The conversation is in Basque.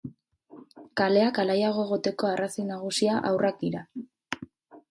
Kaleak alaiago egoteko arrazoi nagusia haurrak dira.